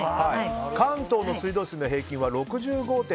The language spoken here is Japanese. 関東の水道水の平均は６５．５ｍｇ